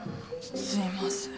すいません。